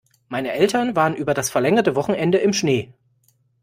Meine Eltern waren über das verlängerte Wochenende im Schnee.